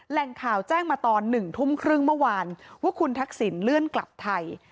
แหล่งข่าวแจ้งมาตอน๑ทุ่มครึ่งเมื่อวานว่าคุณทักษิณเลื่อนกลับไทย